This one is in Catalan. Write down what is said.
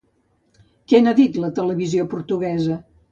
Què n'ha dit la televisió portuguesa?